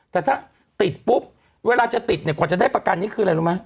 แต่ถ้าติดปุ๊บเวลาจะติดเนี่ยกว่าจะได้ประกันนี่คืออะไรรู้ไหม